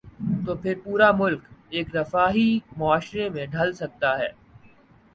تو پھر پورا ملک ایک رفاہی معاشرے میں ڈھل سکتا ہے۔